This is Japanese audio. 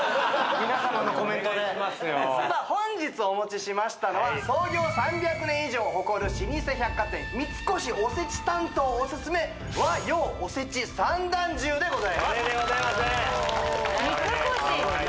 皆様のコメントで本日お持ちしましたのは創業３００年以上を誇る老舗百貨店三越おせち担当おすすめ和洋おせち三段重でございますでございますね三越！